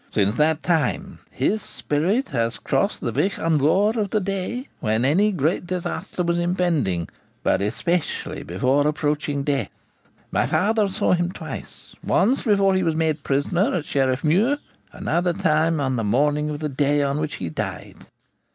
Since that time his spirit has crossed the Vich Ian Vohr of the day when any great disaster was impending, but especially before approaching death. My father saw him twice, once before he was made prisoner at Sheriff Muir, another time on the morning of the day on which he died.'